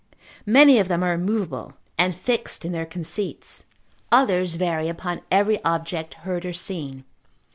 Many of them are immovable, and fixed in their conceits, others vary upon every object, heard or seen.